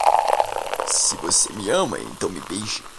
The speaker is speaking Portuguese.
Se você me ama, então me beije